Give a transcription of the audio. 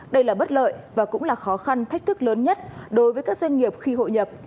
đây là bất lợi và cũng là khó khăn thách thức lớn nhất đối với các doanh nghiệp khi hội nhập